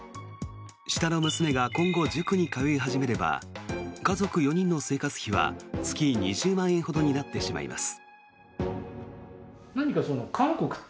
下の娘が今後、塾に通い始めれば家族４人の生活費は月２０万円ほどになってしまいます。